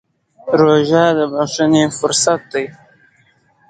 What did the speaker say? روژه د بښنې فرصت دی.